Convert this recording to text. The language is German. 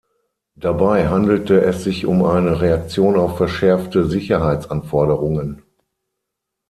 Dabei handelte es sich um eine Reaktion auf verschärfte Sicherheitsanforderungen.